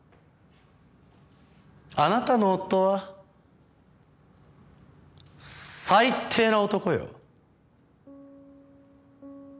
あなたの夫は最低な男よ。